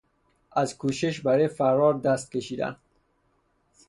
از کوشش برای فرار دست کشیدند.